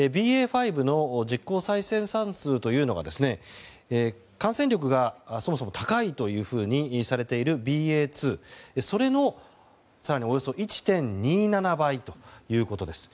ＢＡ．５の実効再生産数は感染力がそもそも高いとされているＢＡ．２の更におよそ１．２７倍ということです。